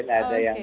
nggak ada yang